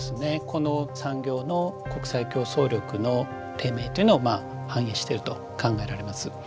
この産業の国際競争力の低迷というのをまあ反映していると考えられます。